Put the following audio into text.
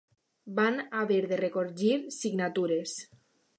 Vam haver de recollir signatures.